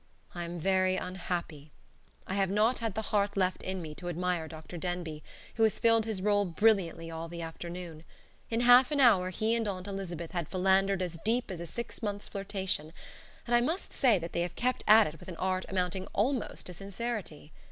I am very unhappy. I have not had the heart left in me to admire Dr. Denbigh, who has filled his role brilliantly all the afternoon. In half an hour he and Aunt Elizabeth had philandered as deep as a six months' flirtation; and I must say that they have kept at it with an art amounting almost to sincerity.